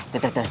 tuh tuh tuh